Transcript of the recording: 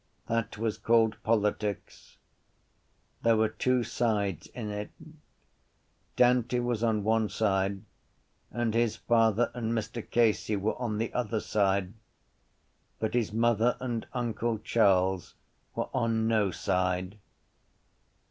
That was called politics. There were two sides in it: Dante was on one side and his father and Mr Casey were on the other side but his mother and uncle Charles were on no side.